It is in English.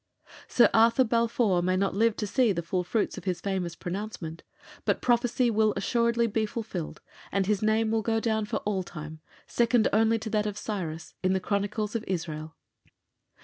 Sir Arthur Balfour may not live to see the full fruits of his famous pronouncement, but prophecy will assuredly be fulfilled, and his name will go down for all time, second only to that of Cyrus, in the Chronicles of Israel.